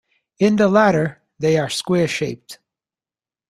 In the latter they are square-shaped.